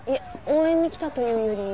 応援に来たというより。